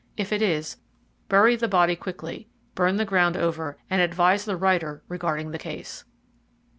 If it is, bury the body quickly, burn the ground over, and advise the writer regarding the case.